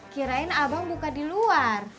kirain abang buka di luar